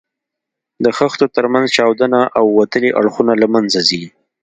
د خښتو تر منځ چاودونه او وتلي اړخونه له منځه ځي.